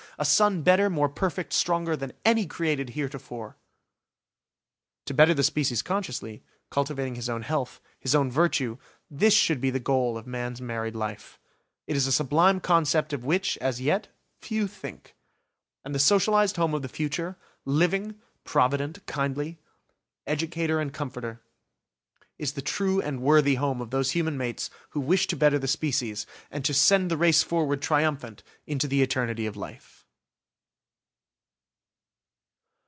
A son better, more perfect, stronger, than any created heretofore!" To better the species consciously, cultivating his own health, his own virtue, this should be the goal of man's married life. It is a sublime concept of which, as yet, few think. And the socialised home of the future, living, provident, kindly; educator and comforter; is the true and worthy home of those human mates who wish to better the species, and to send the race forward triumphant into the eternity of life!